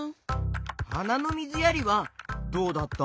はなのみずやりはどうだった？